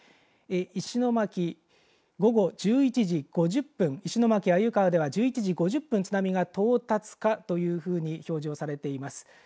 石巻午後１１時５０分石巻鮎川では１１時５０分津波が到達かというふうに表示をされています。